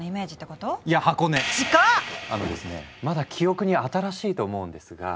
あのですねまだ記憶に新しいと思うんですが。